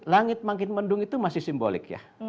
langit makin mendung itu masih simbolik ya